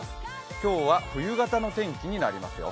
今日は冬型の天気になりますよ。